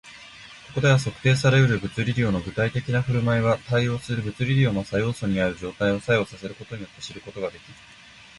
ここでは、測定され得る物理量の具体的な振る舞いは、対応する物理量の作用素をある状態に作用させることによって知ることができる